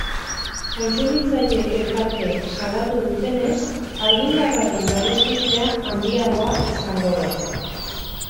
Kontsumitzaile elkarteek salatu dutenez, argindarraren garestitzea handiagoa izango da.